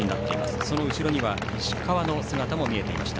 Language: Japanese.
その後ろに、石川の姿も見えていました。